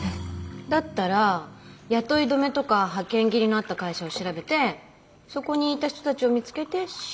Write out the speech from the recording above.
だったら雇い止めとか派遣切りのあった会社を調べてそこにいた人たちを見つけて取材してみる。